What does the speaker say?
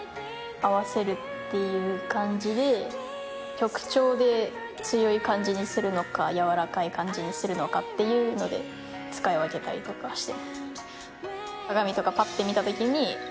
曲調で強い感じにするのかやわらかい感じにするのかっていうので使い分けたりとかして。